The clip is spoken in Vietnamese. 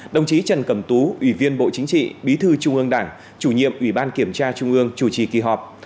đồng chí trần cẩm tú ủy viên bộ chính trị bí thư trung ương đảng chủ nhiệm ủy ban kiểm tra trung ương chủ trì kỳ họp